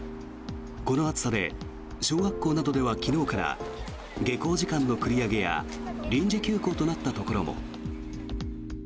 この暑さで小学校などでは昨日から下校時間の繰り上げや臨時休校となったところも。